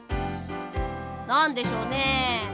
なんでしょうね。